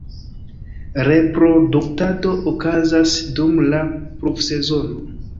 Reproduktado okazas dum la pluvsezono.